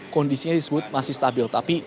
kondisinya disebut masih stabil tapi